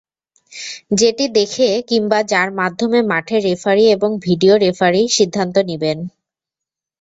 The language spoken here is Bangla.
যেটি দেখে কিংবা যার মাধ্যমে মাঠের রেফারি এবং ভিডিও রেফারি সিদ্ধান্ত নিবেন।